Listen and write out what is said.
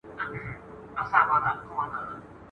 څو به لا په پټه له هینداري څخه سوال کوو !.